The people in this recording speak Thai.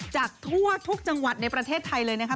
จากทั่วทุกจังหวัดในประเทศไทยเลยนะคะ